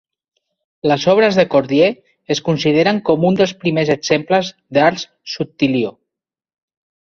Les obres de Cordier es consideren com un dels primers exemples d'ars subtilior.